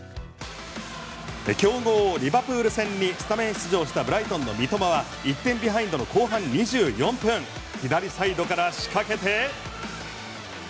強豪リバプール戦にスタメン出場したブライトンの三笘は１点ビハインドの後半２４分左サイドから仕掛けて。